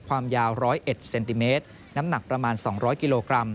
ความยาว๑๐๑เซนติเมตรน้ำหนักประมาณ๒๐๐กิโลกรัม